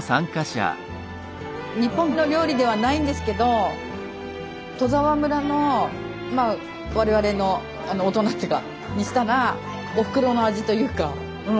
日本の料理ではないんですけど戸沢村のまあ我々の大人にしたらおふくろの味というかうん